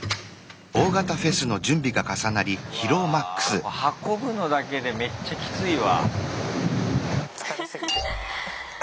うわ運ぶのだけでめっちゃきついわ。